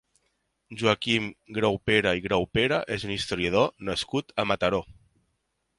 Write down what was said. Joaquim Graupera i Graupera és un historiador nascut a Mataró.